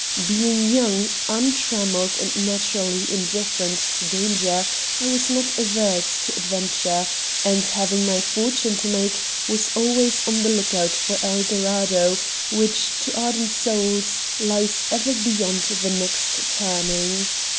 Being young, untrammeled, and naturally indifferent to danger, I was not averse to adventure; and having my fortune to make, was always on the lookout for El Dorado, which, to ardent souls, lies ever beyond the next turning.